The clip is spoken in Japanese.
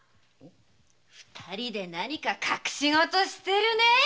二人で何か隠しごとをしてるね！